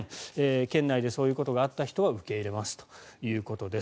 県内でそういうことがあった人は受け入れますということです。